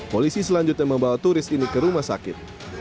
polisi selanjutnya membawa turis ini ke rumah sakit